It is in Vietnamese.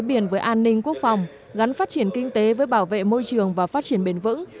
biển với an ninh quốc phòng gắn phát triển kinh tế với bảo vệ môi trường và phát triển bền vững